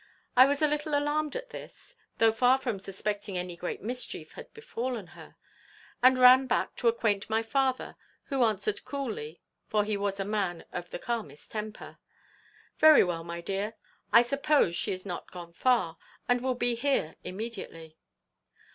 I was a little alarmed at this (though far from suspecting any great mischief had befallen her), and ran back to acquaint my father, who answered coolly (for he was a man of the calmest temper), 'Very well, my dear, I suppose she is not gone far, and will be here immediately.